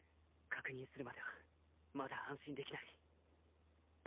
確認するまではまだ安心できない。